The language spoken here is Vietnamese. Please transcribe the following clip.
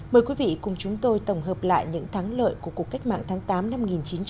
mời quý vị cùng chúng tôi tổng hợp lại những thắng lợi của cuộc cách mạng tháng tám năm một nghìn chín trăm bốn mươi năm